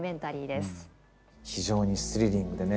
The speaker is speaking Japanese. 非常にスリリングでね